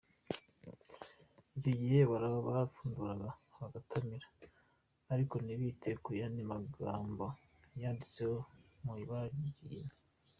Icyo gihe barapfunduraga bagatamira, ariko ntibite ku yandi magambo yanditseho mu ibara ry’ikigina.